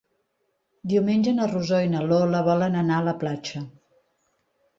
Diumenge na Rosó i na Lola volen anar a la platja.